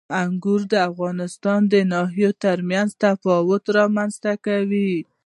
انګور د افغانستان د ناحیو ترمنځ تفاوتونه رامنځ ته کوي.